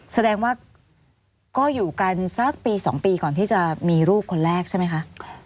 แสดงว่าก็อยู่กันสักปี๒ปีก่อนที่จะมีลูกคนแรกใช่ไหมคะ